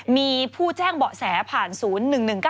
มีผู้แจ้งเบาะแสผ่านศูนย์๑๑๙